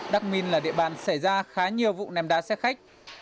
đắc minh là địa bàn xảy ra khá nhiều vụ ném đá xe khách